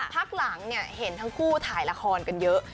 พักหลังเห็นทั้งคู่ถ่ายละครกันเยอะ